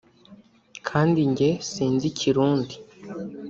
kandi njye sinzi ikirundi